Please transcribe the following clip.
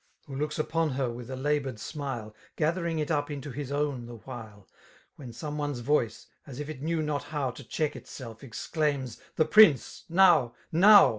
Who looks upon her with a laboured fmile^ Gathering it up into his own the while> When some one's voice^ as if it knew not how To check itself, exclaims, ^' the prince! now— now!''